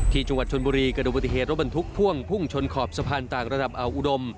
ที่จังหวัดชนบุรีกระดูกปฏิเหตุรถบรรทุกพ่วงพุ่งชนขอบสะพานต่างระดับอ่าวอุดม